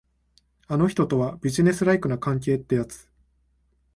あの人とは、ビジネスライクな関係ってやつ。